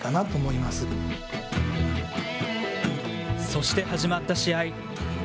そして始まった試合。